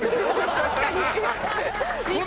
確かに。